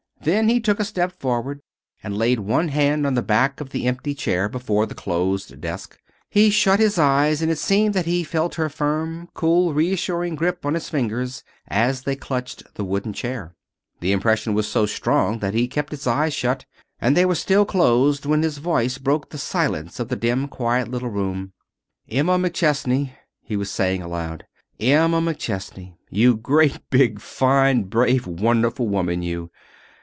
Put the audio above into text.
Then he took a step forward and laid one hand on the back of the empty chair before the closed desk. He shut his eyes and it seemed that he felt her firm, cool, reassuring grip on his fingers as they clutched the wooden chair. The impression was so strong that he kept his eyes shut, and they were still closed when his voice broke the silence of the dim, quiet little room. "Emma McChesney," he was saying aloud, "Emma McChesney, you great big, fine, brave, wonderful woman, you!